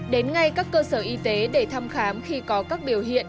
đến ngay các cơ sở y tế để thăm khám khi có các biểu hiện